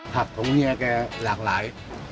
ผักของเมียแกหลากหลาย